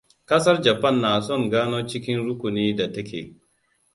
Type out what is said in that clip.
Ƙasar Japan na son gano cikin rukuni da take.